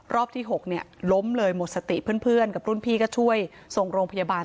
ที่๖เนี่ยล้มเลยหมดสติเพื่อนกับรุ่นพี่ก็ช่วยส่งโรงพยาบาล